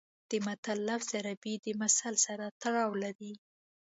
د متل لفظ د عربي د مثل سره تړاو لري